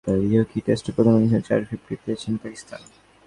যেমনটা ঘটেছে সর্বশেষ লর্ডস টেস্টেও প্রথম ইনিংসে চার ফিফটি পেয়েছে পাকিস্তান।